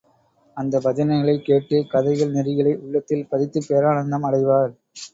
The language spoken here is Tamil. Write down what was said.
அந்தப் பஜனைகளைக் கேட்டு, கதைகள் நெறிகளை உள்ளத்தில் பதித்துப் பேரானந்தம் அடைவார்.